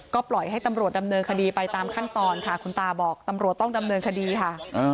ก็ปล่อยให้ตำรวจดำเนินคดีไปตามขั้นตอนค่ะคุณตาบอกตำรวจต้องดำเนินคดีค่ะ